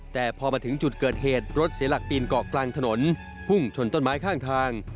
แต่พอมาถึงจุดเกิดเหตุรถเสียหลักปีนเกาะกลางถนนพุ่งชนต้นไม้ข้างทาง